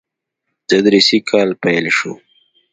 تدريسي کال پيل شو.